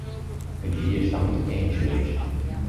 O dia está muito quente hoje.